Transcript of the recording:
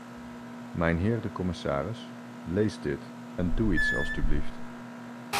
Mijnheer de commissaris, lees dit en doe iets alstublieft.